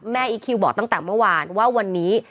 อีคิวบอกตั้งแต่เมื่อวานว่าวันนี้